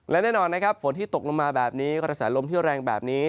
และแน่นอนนะครับฝนที่ตกลงมาแบบนี้กระแสลมที่แรงแบบนี้